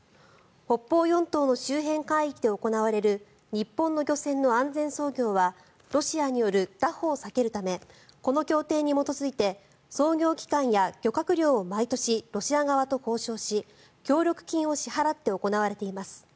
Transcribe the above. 北方四島の周辺海域で行われる日本の漁船の安全操業はロシアによるだ捕を避けるためこの協定に基づいて操業期間や漁獲量を毎年、ロシア側と交渉し協力金を支払って行われています。